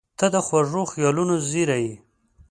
• ته د خوږو خیالونو زېری یې.